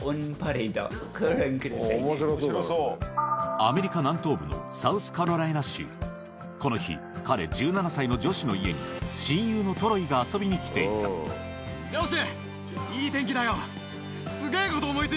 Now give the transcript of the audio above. アメリカ南東部のサウスカロライナ州この日彼１７歳のジョシュの家に親友のトロイが遊びに来ていたジョシュ！